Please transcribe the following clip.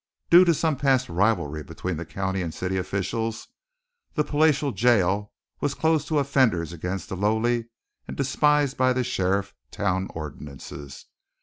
Due to some past rivalry between the county and city officials, the palatial jail was closed to offenders against the lowly and despised by the sheriff town ordinances.